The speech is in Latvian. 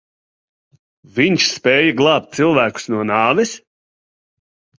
Viņš spēja glābt cilvēkus no nāves?